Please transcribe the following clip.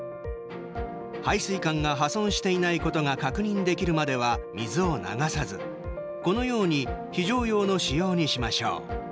排水管が破損していないことが確認できるまでは水を流さず、このように非常用の仕様にしましょう。